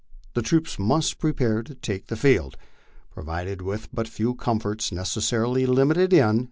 The troops must prepare to take the field. Provided with but few comforts, necessarily limited in.